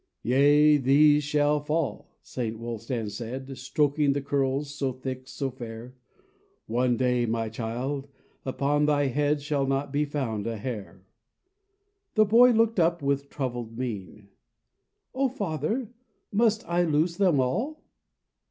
"Yea, these shall fall," St. Wulstan said Stroking the curls so thick, so fair: "One day, my child, upon thy head Shall not be found a hair." The boy looked up with troubled mien: "Oh, Father, must I lose them all?"